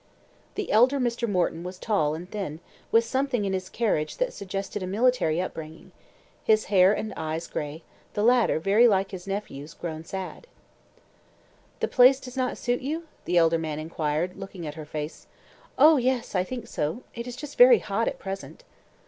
The elder Mr. Morton was tall and thin, with something in his carriage that suggested a military upbringing; his hair and eyes gray, the latter very like his nephew's grown sad. "The place does not suit you?" the elder man inquired, looking at her face. "Oh, yes, I think so; it is just very hot at present."